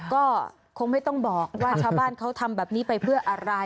ก็คงไม่ต้องบอกว่าชาวบ้านเขาทำแบบนี้ไปเพื่ออะไร